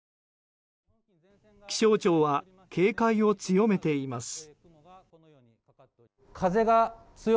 気象庁は警戒を強めています。